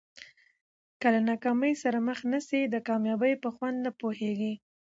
که له ناکامۍ سره مخ نه سې د کامیابۍ په خوند نه پوهېږې.